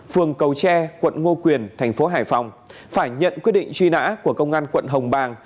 phường cầu tre quận ngo quyền tp hải phòng phải nhận quyết định truy nã của công an quận hồng bang